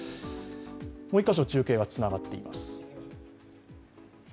もう１か所中継がつながっています。